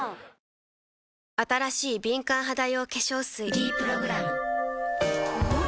新しい敏感肌用化粧水「ｄプログラム」おっ！